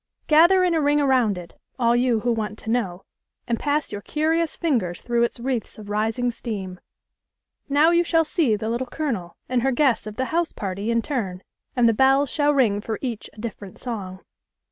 Gather in a ring around it, all you who want to know, and pass your curious fingers through its THE MAGIC KETTLE. 13 wreaths of rising steam. Now you shall see the Little Colonel and her guests of the house party in turn, and the bells shall ring for each a different song.